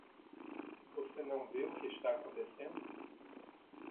Você não vê o que está acontecendo?